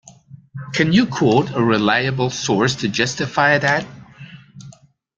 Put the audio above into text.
Can you quote a reliable source to justify that?